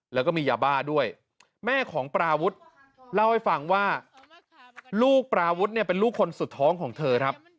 แล้วก็มียาบ้าด้วยแม่ของปราวุฒิเล่าให้ฟังว่าลูกปราวุฒิเนี่ยเป็นลูกคนสุดท้องของเธอครับ